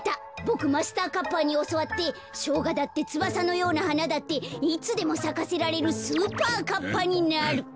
ボクマスターカッパーにおそわってしょうがだってつばさのようなはなだっていつでもさかせられるスーパーカッパになる。